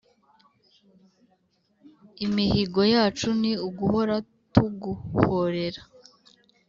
Imihigo yacu ni uguhora tuguhorera